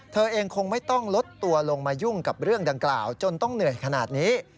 เธอเองคงไม่ต้องลดตัวลงมายุ่งกับเรื่องดังกล่าวจนต้องเหนื่อยขนาดนี้